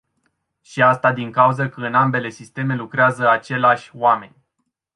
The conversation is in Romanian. Și asta din cauză că în ambele sisteme lucrează aceIași oameni.